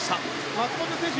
松元選手